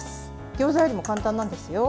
ギョーザよりも簡単なんですよ。